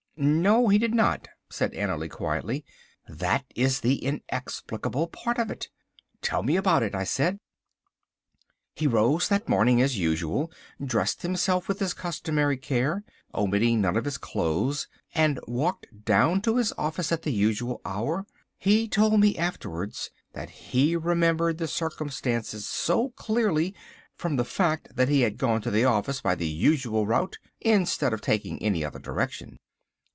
"No, he did not," said Annerly quietly, "that is the inexplicable part of it." "Tell me about it," I said. "He rose that morning as usual, dressed himself with his customary care, omitting none of his clothes, and walked down to his office at the usual hour. He told me afterwards that he remembered the circumstances so clearly from the fact that he had gone to the office by the usual route instead of taking any other direction."